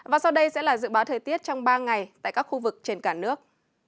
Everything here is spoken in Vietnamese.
và sau đây sẽ là dự báo thời tiết trong ba ngày tại các khu vực trên cả nước